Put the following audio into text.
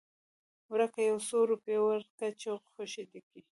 ورکه يو څو روپۍ ورکه چې خوشې دې کي.